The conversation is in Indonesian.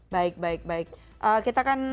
baik baik baik kita akan